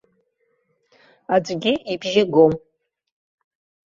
Аӡәгьы ибжьы гом.